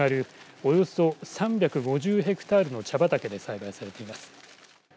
およそ３５０ヘクタールの茶畑で栽培されています。